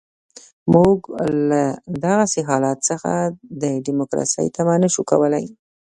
موږ له دغسې حالت څخه د ډیموکراسۍ تمه نه شو کولای.